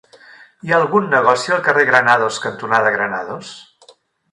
Hi ha algun negoci al carrer Granados cantonada Granados?